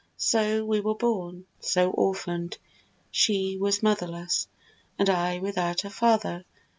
So we were born, so orphan'd. She was motherless, And I without a father.